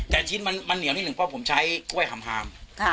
แต่ชิ้นมันเหนียวนิดหนึ่งเพราะผมใช้กล้วยหำ